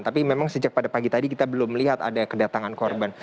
tapi memang sejak pada pagi tadi kita belum melihat ada kedatangan korban